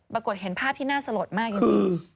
ปรากฏเห็นภาพที่น่าสลดมากจริง